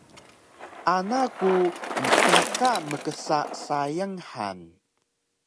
Ana ku empika mksa sayang han